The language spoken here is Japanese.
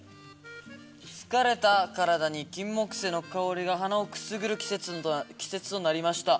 疲れた体にキンモクセイの香りが鼻をくすぐる季節となりました。